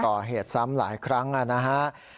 ต่อเหตุซ้ำหลายครั้งแล้วนะฮะ